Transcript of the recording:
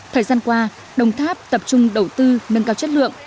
thời gian qua đồng tháp tập trung đầu tư nâng cao chất lượng